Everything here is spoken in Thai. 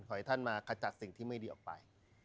ให้ท่านมาขจัดสิ่งที่ไม่ดีออกไป